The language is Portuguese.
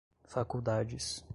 faculdades